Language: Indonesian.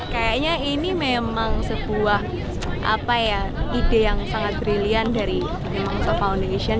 kayaknya ini memang sebuah ide yang sangat brilian dari pembangsa foundation